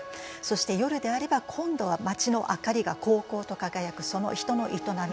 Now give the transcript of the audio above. そして夜であれば今度は街の明かりがこうこうと輝くその人の営みの力強さ。